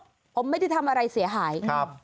ผมไม่ได้ทำอะไรเสียหายครับ